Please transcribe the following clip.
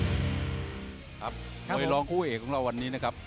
โอเคครับโหยร้องคู่เอกของเราวันนี้นะครับ